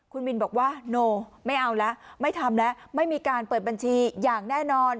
คุณมินบอกว่าโนไม่เอาแล้วไม่ทำแล้วไม่มีการเปิดบัญชีอย่างแน่นอน